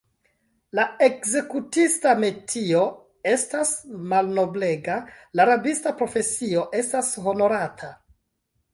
La ekzekutista metio estas malnoblega; la rabista profesio estas honorata.